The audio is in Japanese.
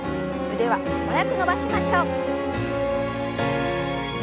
腕は素早く伸ばしましょう。